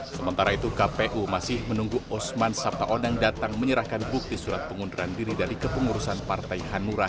sementara itu kpu masih menunggu osman sabtaodang datang menyerahkan bukti surat pengunduran diri dari kepengurusan partai hanura